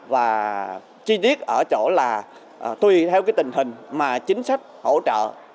và chi tiết ở chỗ là tùy theo cái tình hình mà chính sách hỗ trợ